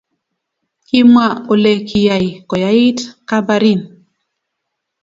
kimwa ole kiyai koyait kabarin